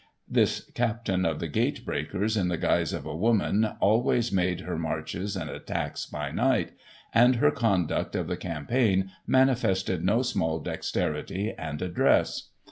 *" This captain of the gate breakers in the guise of a woman, always made her marches and attacks by night, and her conduct of the cam paign manifested no small dexterity and address.